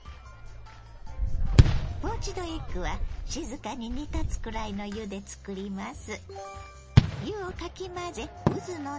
ポーチドエッグは静かに煮立つくらいの湯で作ります。